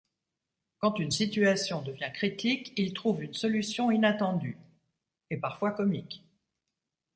Quand une situation devient critique, il trouve une solution inattendue - et parfois comique.